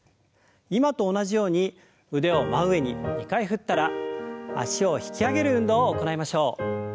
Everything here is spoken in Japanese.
今と同じように腕を真上に２回振ったら脚を引き上げる運動を行いましょう。